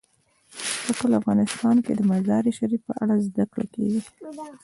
په ټول افغانستان کې د مزارشریف په اړه زده کړه کېږي.